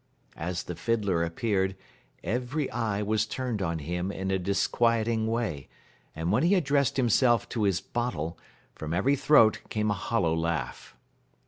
As the fiddler appeared, every eye was turned on him in a disquieting way, and when he addressed himself to his bottle, from every throat came a hollow laugh.